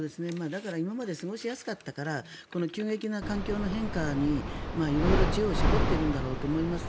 だから今まで過ごしやすかったからこの急激な環境の変化に色々知恵を絞っているんだろうと思います。